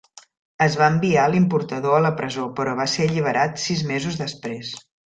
Es va enviar l'importador a la presó, però va ser alliberat sis mesos després.